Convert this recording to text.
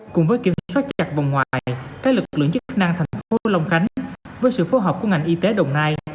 cùng với kiểm soát chặt vòng ngoài các lực lượng chức năng thành phố long khánh với sự phối hợp của ngành y tế đồng nai